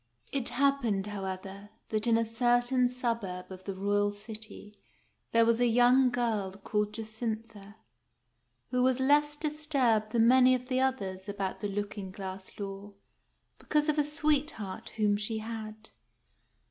It happened, however, that in a certain suburb of the royal city there was a young girl called Jacintha, who was less dis turbed than many 'of the others about the looking glass law, because of a sweetheart whom she had.